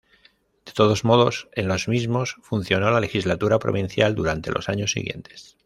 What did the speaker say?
De todos modos en los mismos funcionó la Legislatura Provincial durante los años siguientes.